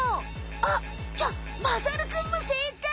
あっじゃあまさるくんも正解！